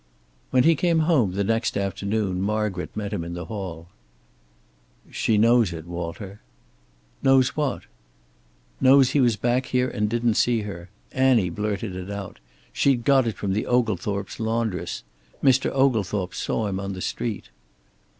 When he came home the next afternoon Margaret met him in the hall. "She knows it, Walter." "Knows what?" "Knows he was back here and didn't see her. Annie blurted it out; she'd got it from the Oglethorpe's laundress. Mr. Oglethorpe saw him on the street."